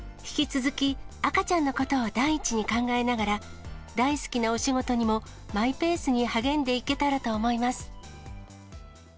引き続き赤ちゃんのことを第一に考えながら、大好きなお仕事にもマイペースに励んでいけたらと思います。